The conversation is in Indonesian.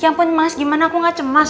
ya ampun mas gimana aku gak cemas